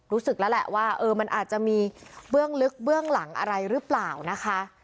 รู้สึกแล้วแหละว่าเออมันอาจจะมีเบื้องลึกเบื้องหลังอะไรหรือเปล่านะคะ